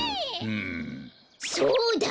そうだ！